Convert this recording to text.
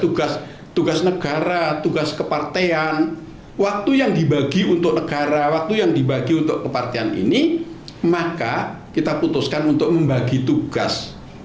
tugas tugas negara tugas kepartean waktu yang dibagi untuk negara waktu yang dibagi untuk kepartian ini maka kita putuskan untuk membagi tugas